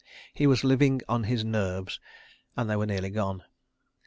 He was "living on his nerves," and they were nearly gone.